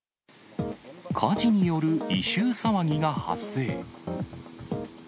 火事による異臭騒ぎが発生。